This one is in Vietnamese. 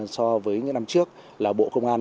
so với những năm trước là bộ công an